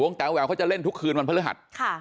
วงแต่วแหววเขาจะเล่นทุกคืนวันพระฤหัสค่ะ